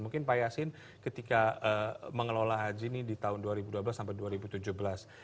mungkin pak yasin ketika mengelola haji ini di tahun dua ribu dua belas sampai dua ribu tujuh belas